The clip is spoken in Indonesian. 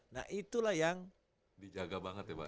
nah itulah yang dijaga banget ya pak